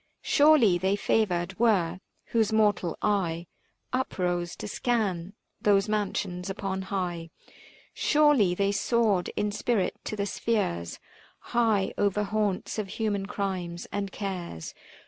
320 ' Surely they favoured were, whose mortal eye Uprose to scan those mansions upon high — Surely they soared in spirit to the spheres High over haunts of human crimes and cares.